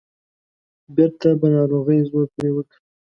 بیرته به ناروغۍ زور پرې وکړ.